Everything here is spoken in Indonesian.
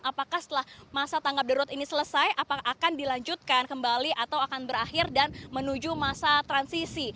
apakah setelah masa tanggap darurat ini selesai apakah akan dilanjutkan kembali atau akan berakhir dan menuju masa transisi